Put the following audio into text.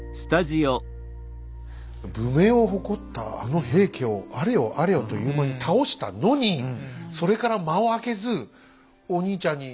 武名を誇ったあの平家をあれよあれよという間に倒したのにそれから間をあけずお兄ちゃんにそんなんされちゃったらさ